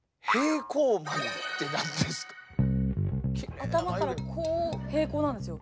頭からこう平行なんですよ。